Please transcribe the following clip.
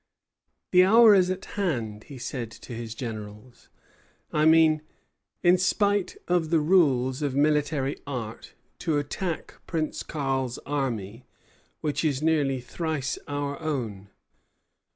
"The hour is at hand," he said to his generals. "I mean, in spite of the rules of military art, to attack Prince Karl's army, which is nearly thrice our own.